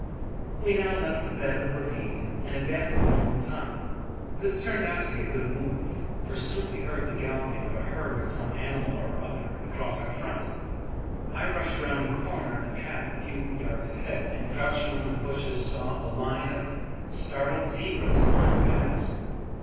We now left the bed of the ravine, and advanced along the top. This turned out to be a good move, for soon we heard the galloping of a herd of some animal or other across our front. I rushed round a corner in the path a few yards ahead, and crouching under the bushes saw a line of startled zebras flying past.